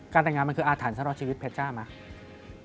การแต่งงานมาก็คืออาถรรภ์สรภ์ชีวิตเพชรกนี่หรอ